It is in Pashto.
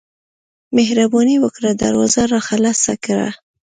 مهرباني وکړه دروازه راخلاصه کړه.